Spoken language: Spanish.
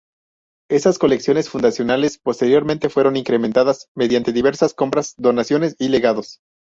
Esas colecciones fundacionales posteriormente fueron incrementadas mediante diversas compras, donaciones y legados.